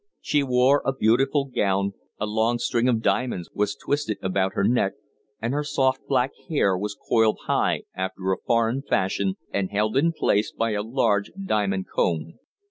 She wore a beautiful gown, a long string of diamonds was twisted about her neck, and her soft, black hair was coiled high after a foreign fashion, and held in place by a large diamond comb.